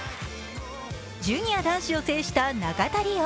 ジュニア男子を制した中田璃士